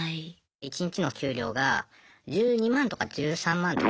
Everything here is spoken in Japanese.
１日の給料が１２万とか１３万とか。